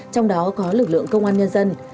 trong đó có lực lượng công an nhân dân